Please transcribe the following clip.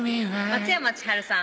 松山千春さん